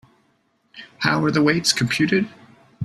How are the weights computed?